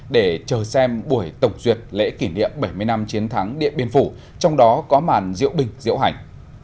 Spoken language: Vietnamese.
để chờ xem buổi tổng duyệt lễ kỷ niệm bảy mươi năm chiến thắng điện biên phủ trong đó có màn diễu binh diễu hành